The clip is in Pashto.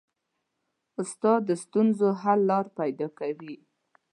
استاد د ستونزو حل لارې پیدا کوي.